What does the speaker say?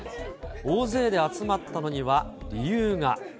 大勢で集まったのには理由が。